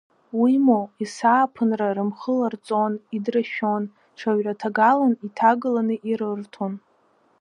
Уимоу, есааԥынра рымхы ларҵон, идрашәон, ҽаҩраҭагалан иҭагаланы ирырҭон.